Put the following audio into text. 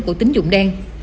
của tính dụng đen